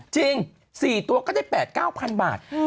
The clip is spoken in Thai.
จริง๔ตัวก็ได้๘๙๐๐บาท